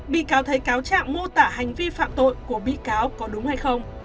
bị cáo thấy cáo trạng mô tả hành vi phạm tội của bị cáo có đúng hay không